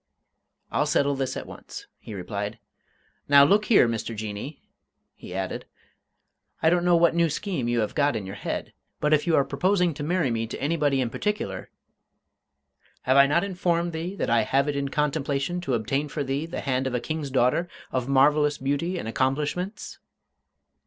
"I'll settle this at once," he replied. "Now, look here, Mr. Jinnee," he added, "I don't know what new scheme you have got in your head but if you are proposing to marry me to anybody in particular " "Have I not informed thee that I have it in contemplation to obtain for thee the hand of a King's daughter of marvellous beauty and accomplishments?"